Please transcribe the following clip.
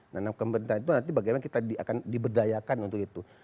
nah pemerintah itu nanti bagaimana kita akan diberdayakan untuk itu